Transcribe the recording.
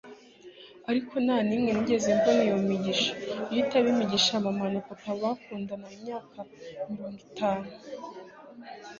ariko nta nimwe nigeze mbona iyo migisha iyo itaba imigisha ya mama na papa bakundana imyaka mirongo itanu